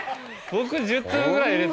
僕１０粒ぐらい入れて。